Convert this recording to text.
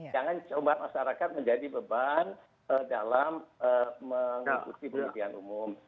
jangan coba masyarakat menjadi beban dalam mengikuti penelitian umum